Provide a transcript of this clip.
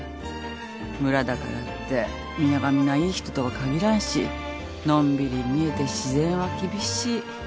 村だからって皆が皆いい人とは限らんしのんびり見えて自然は厳しい。